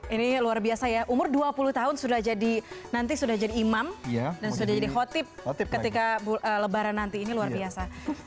ini luar biasa ya umur dua puluh tahun sudah jadi nanti sudah jadi imam dan sudah jadi khotib ketika lebaran nanti ini luar biasa